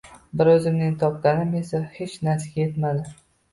Bir o`zimning topganim esa hech narsaga etmasdi